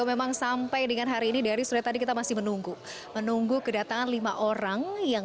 memang sampai dengan hari ini dari sore tadi kita masih menunggu menunggu kedatangan lima orang yang